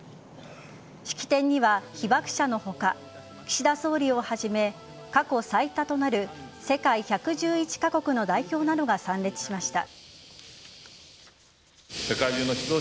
式典には被爆者の他岸田総理をはじめ過去最多となる世界１１１カ国の代表などが参列しました。